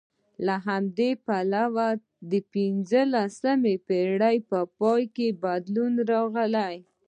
له همدې پلوه د پنځلسمې پېړۍ په پای کې بدلون راغی